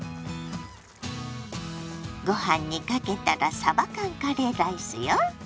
ご飯にかけたらさば缶カレーライスよ。